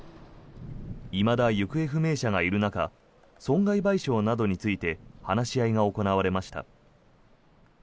いまだ行方不明者がいる中損害賠償などについて話し合いが行われました。